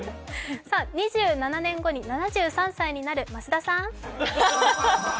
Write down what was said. ２７年後に７３歳になる増田さーん。